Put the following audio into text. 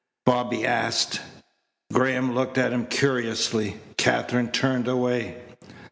Bobby asked. Graham looked at him curiously. Katherine turned away.